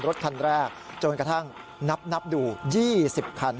รถคันแรกจนกระทั่งนับดู๒๐คัน